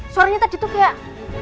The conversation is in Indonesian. suaranya tadi tuh kayak